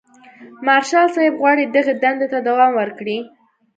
مارشال صاحب غواړي دغې دندې ته دوام ورکړي.